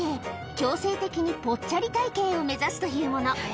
強制的にぽっちゃり体形を目指すというもの